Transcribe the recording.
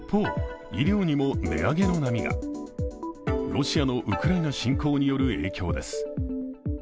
ロシアのウクライナ侵攻による影響です。